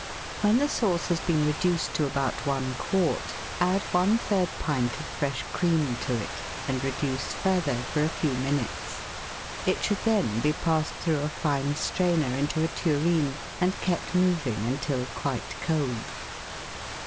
When the sauce has been reduced to about one quart, add one third pint of fresh cream to it, and reduce further for a few minutes. It should then be passed through a fine strainer into a tureen and kept moving until quite cold.